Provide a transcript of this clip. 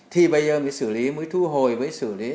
thì bây giờ mới xử lý mới thu hồi với xử lý